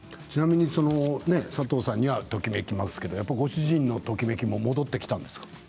ちなみに佐藤さんにはときめきますけれどもご主人へのときめきは戻ってきたんですか？